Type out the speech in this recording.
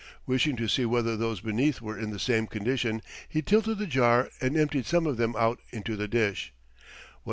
Wishing to see whether those beneath were in the same condition he tilted the jar and emptied some of them out into the dish.